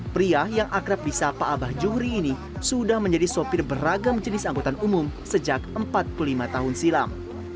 pria yang akrab di sapa abah juhri ini sudah menjadi sopir beragam jenis angkutan umum sejak empat puluh lima tahun silam